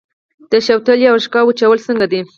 د شوتلې او رشقه وچول څنګه دي؟